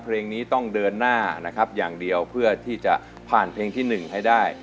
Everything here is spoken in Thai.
เพลงนี้ต้องเดินหน้านะครับอย่างเดียวเพื่อที่จะผ่านเพลงที่๑ให้ได้